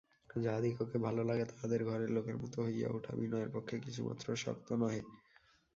যাহাদিগকে ভালো লাগে তাহাদের ঘরের লোকের মতো হইয়া উঠা বিনয়ের পক্ষে কিছুমাত্র শক্ত নহে।